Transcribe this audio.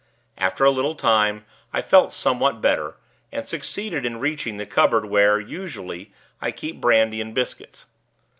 After a little time, I felt somewhat better, and succeeded in reaching the cupboard where, usually, I keep brandy and biscuits.